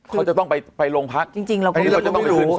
เขาจะต้องไปไปลงพักจริงจริงเราก็ไม่รู้